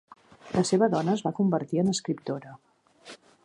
La seva dona es va convertir en escriptora.